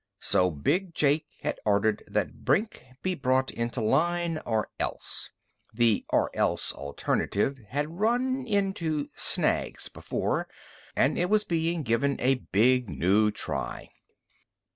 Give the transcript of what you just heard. So Big Jake had ordered that Brink be brought into line or else. The or else alternative had run into snags, before, but it was being given a big new try.